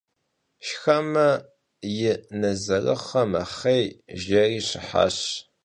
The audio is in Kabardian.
«Şşxeme, yi nezerıxhe mexhêy» jjêri şıhaş.